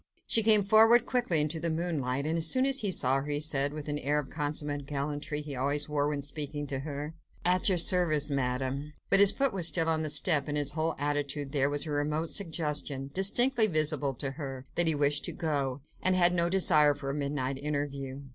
She came forward quickly into the moonlight, and, as soon as he saw her, he said, with that air of consummate gallantry he always wore when speaking to her,— "At your service, Madame!" But his foot was still on the step, and in his whole attitude there was a remote suggestion, distinctly visible to her, that he wished to go, and had no desire for a midnight interview.